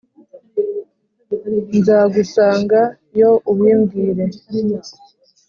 Nzagusanga yo ubimbwire.